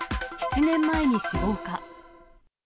７年前に死亡か。